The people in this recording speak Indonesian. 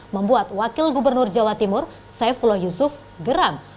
membuat wakil gubernur jawa timur saifullah yusuf geram